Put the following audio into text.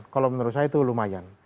kalau menurut saya itu lumayan